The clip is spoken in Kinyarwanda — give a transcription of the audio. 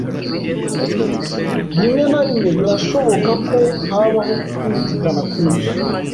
Rimwe na rimwe birashoboka ko habaho kutumvikana kwinshi